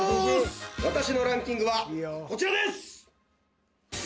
私のランキングはこちらです！